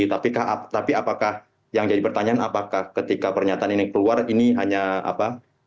tapi apakah yang jadi pertanyaan apakah ketika pernyataan ini keluar ini hanya apa